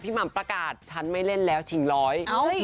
หม่ำประกาศฉันไม่เล่นแล้วชิงร้อย